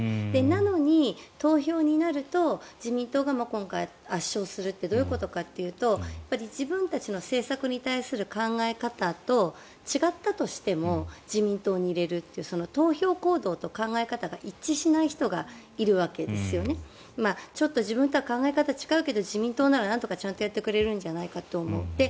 なのに、投票になると自民党が今回圧勝するってどういうことかっていうと自分たちの政策に対する考え方と違ったとしても自民党に入れるというその投票行動と考え方が一致しない人がいるわけですよねちょっと自分とは考え方が違うけど自民党ならなんとかやってくれるんじゃないかと思うと。